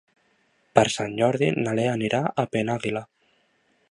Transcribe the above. Per Sant Jordi na Lea anirà a Penàguila.